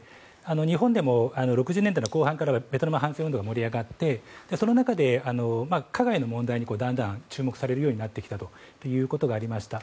日本でも６０年代の後半からベトナム反戦運動が盛り上がってその中で、加害の問題にだんだん注目されるようになってきたということがありました。